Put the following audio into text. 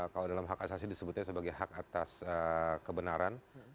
kalau dalam hak asasi disebutnya sebagai hak atas kebenaran